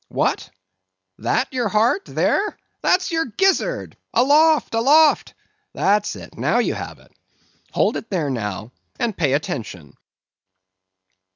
What! that your heart, there?—that's your gizzard! Aloft! aloft!—that's it—now you have it. Hold it there now, and pay attention."